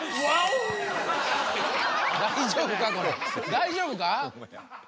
大丈夫か？